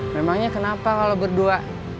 memangnya kenapa kalau berdua